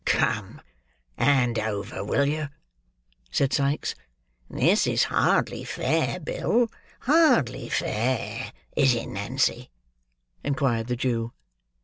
"Come! Hand over, will you?" said Sikes. "This is hardly fair, Bill; hardly fair, is it, Nancy?" inquired the Jew.